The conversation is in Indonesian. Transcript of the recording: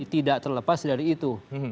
tidak terlepas dari itu